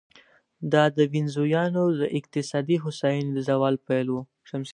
دا د وینزیانو د اقتصادي هوساینې د زوال پیل و.